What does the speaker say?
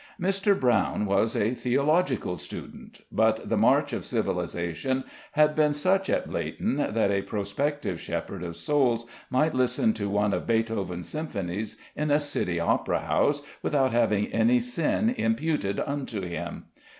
Mr. Brown was a theological student, but the march of civilization had been such at Bleighton that a prospective shepherd of souls might listen to one of Beethoven's symphonies in a city opera house without having any sin imputed unto him!